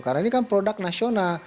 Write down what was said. karena ini kan produk nasional